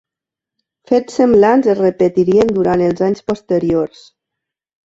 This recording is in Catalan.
Fets semblants es repetirien durant els anys posteriors.